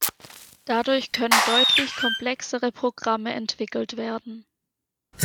Dadurch können deutlich komplexere Programme entwickelt werden.